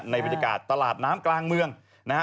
ในบริษัทตลาดน้ำกลางเมืองนะฮะ